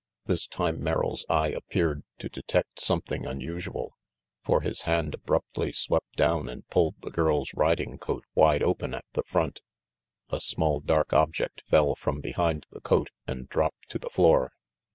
This time Merrill's eye appeared to detect some thing unusual, for his hand abruptly swept down and pulled the girl's riding coat wide open at the front. A small, dark object fell from behind the coat and dropped to the floor.